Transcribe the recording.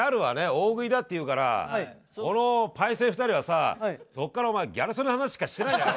大食いだって言うからこのパイセン２人はさそっからお前ギャル曽根の話しかしてないんだよ。